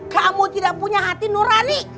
kamu tidak punya hati nurani